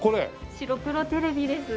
白黒テレビです。